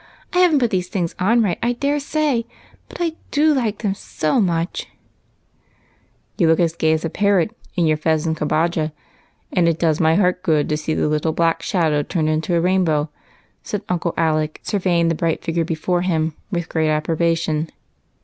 I haven't put these things on right, I dare say, but I do like them so much !"" You look as gay as a parrot in your fez and cabaja, and it does my heart good to see the little black shadow turned into a rainbow," said Uncle Alec, surveying the bright figure before him with great approbation.